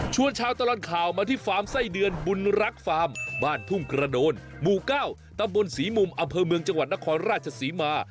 ชาวตลอดข่าวมาที่ฟาร์มไส้เดือนบุญรักฟาร์มบ้านทุ่งกระโดนหมู่๙ตำบลศรีมุมอำเภอเมืองจังหวัดนครราชศรีมา